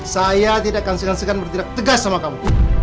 saya tidak akan segan segan bertindak tegas sama kamu